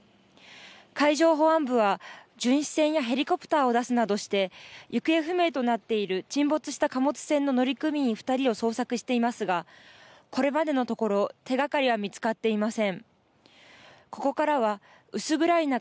海上保安部は巡視船やヘリコプターを出すなどして、行方不明となっている沈没船の乗組員２人を捜索していますが、これまでのところ、手がかりは見つかっていません。